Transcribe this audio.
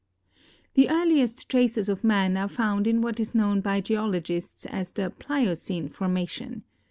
The earliest traces of man are found in what is known hy geologists as the Pliocene formation.